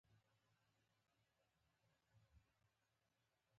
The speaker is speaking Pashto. کله چې په مخ مو کوم څه نښتي دي.